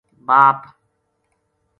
باپ